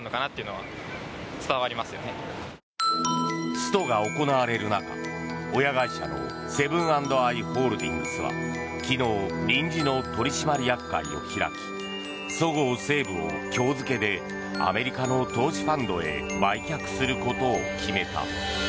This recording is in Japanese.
ストが行われる中親会社のセブン＆アイ・ホールディングスは昨日、臨時の取締役会を開きそごう・西武を今日付でアメリカの投資ファンドへ売却することを決めた。